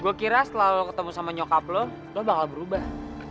gue kira setelah ketemu sama nyokap lo lo bakal berubah